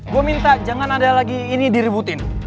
gue minta jangan ada lagi ini diributin